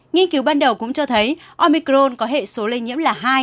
nghiên cứu ban đầu cũng cho thấy omicron có hệ số lây nhiễm là hai